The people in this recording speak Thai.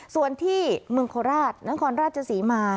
ส่วนที่เมืองโคราชนครราชศรีมา